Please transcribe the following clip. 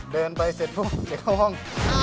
เดินไปเสร็จปุ๊บจะเข้าห้อง